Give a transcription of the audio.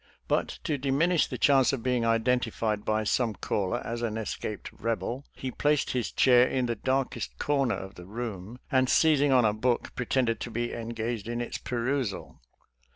But to diminish the chance of being: identified by; some caller as an escaped Rebel, he placed his chair in the darkest corner of i the room,; and seizing on a book pre tended to be engaged in its perusal.